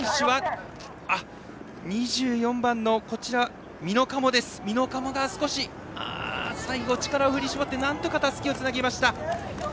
２４番の美濃加茂が最後力を振り絞ってなんとかたすきをつなぎました。